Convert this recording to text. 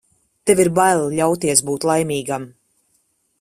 Tev ir bail ļauties būt laimīgam.